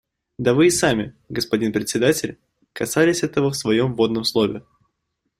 Да вы и сами, господин Председатель, касались этого в своем вводном слове.